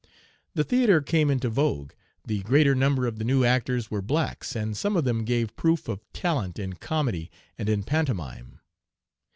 The theatre came into vogue; the greater number of the new actors were blacks, and some of them gave proof of talent in comedy and in pantomime.